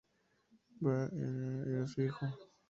Baal era su "hijo".